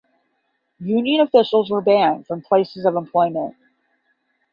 Union officials were banned from places of employment.